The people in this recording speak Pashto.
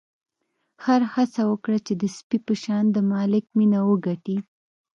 خر هڅه وکړه چې د سپي په شان د مالک مینه وګټي.